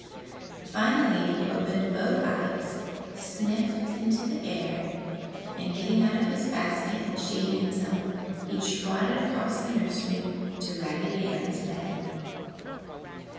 Finally he opened both eyes, sniffed into the air and, getting out of his basket and shaking himself, he trotted across the nursery to Raggedy Ann's bed.